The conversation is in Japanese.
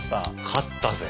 勝ったぜ！